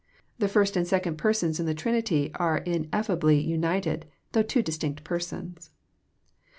The first and second Persons in the Trinity are ineffably united, though two distinct Persons.